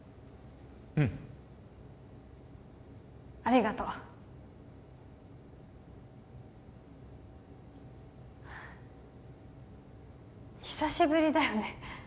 うんありがとう久しぶりだよね